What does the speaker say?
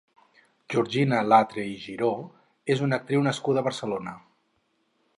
Georgina Latre i Giró és una actriu nascuda a Barcelona.